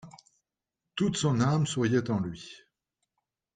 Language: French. Toute son âme souriait en lui.